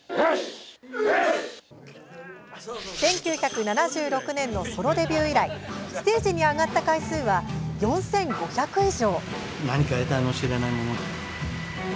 １９７６年のソロデビュー以来ステージに上がった回数は４５００以上。